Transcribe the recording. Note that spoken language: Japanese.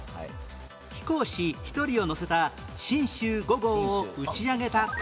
飛行士１人を乗せた神舟５号を打ち上げた国はどこ？